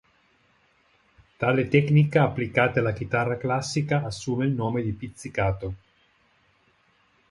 Tale tecnica applicata alla chitarra classica assume il nome di pizzicato.